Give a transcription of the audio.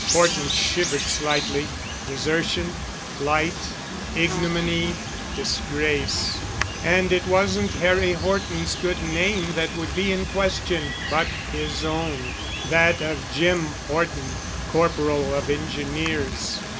Horton shivered slightly. Desertion, flight, ignominy, disgrace. And it wasn't Harry Horton's good name that would be in question, but his own, that of Jim Horton, Corporal of Engineers.